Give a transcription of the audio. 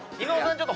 ちょっと。